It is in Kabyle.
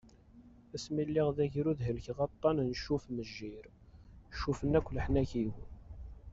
Ass mi lliɣ d agrud helkeɣ aṭan n "Cuff-mejjir", cuffen akk leḥnak-iw.